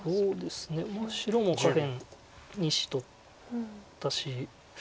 白も下辺２子取ったし。